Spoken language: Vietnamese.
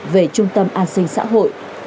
về trung tâm an sinh xã hội